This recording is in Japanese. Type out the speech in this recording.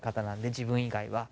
自分以外は。